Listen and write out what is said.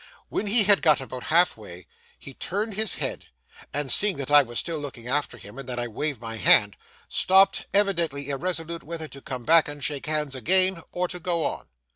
When he had got about half way, he turned his head, and seeing that I was still looking after him and that I waved my hand, stopped, evidently irresolute whether to come back and shake hands again, or to go on.